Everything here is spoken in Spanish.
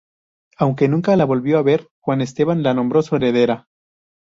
Aunque nunca la volvió a ver, Juan Esteban la nombró su heredera.